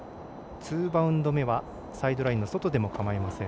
ツーバウンド目はサイドラインの外でもかまいません。